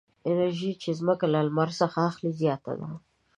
انرژي چې ځمکه له لمر څخه اخلي زیاته ده.